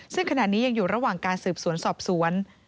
ซึ่งขณะนี้ยังอยู่ระหว่างการสืบสวนสอบสวน